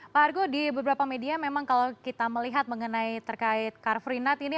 pak argo di beberapa media memang kalau kita melihat mengenai terkait car free night ini